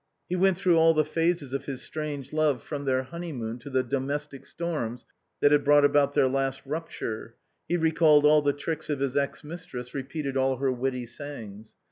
He went through all the phases of his strange love from their honeymoon to the domestic storms that had brought about their last rupture, he recalled all the tricks of his ex mistress, repeated all her witty sayings.